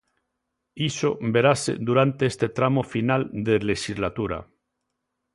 Iso verase durante este tramo final de lexislatura.